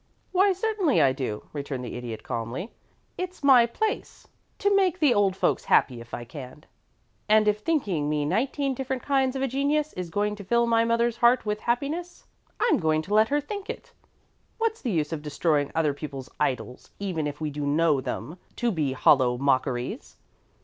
"Why certainly I do," returned the Idiot, calmly. "It's my place to make the old folks happy if I can; and if thinking me nineteen different kinds of a genius is going to fill my mother's heart with happiness, I'm going to let her think it. What's the use of destroying other people's idols even if we do know them to be hollow mockeries?